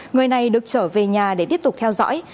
người này được trở về nhà để tiếp tục theo dõi